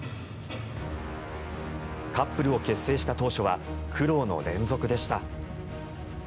カップルを結成した当初は苦労の連続でした。